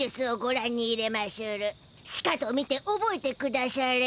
しかと見ておぼえてくだしゃれ。